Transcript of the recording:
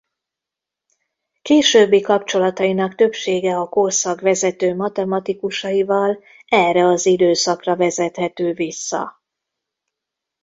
Későbbi kapcsolatainak többsége a korszak vezető matematikusaival erre az időszakra vezethető vissza.